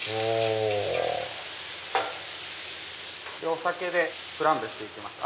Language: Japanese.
お酒でフランベして行きます